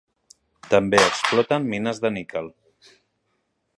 També exploten mines de níquel.